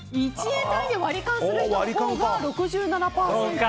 １円単位で割り勘する人のほうが６７％。